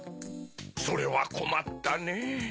それはこまったねぇ。